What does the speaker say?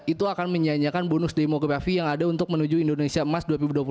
itu akan menyanyikan bonus demografi yang ada untuk menuju indonesia emas dua ribu dua puluh empat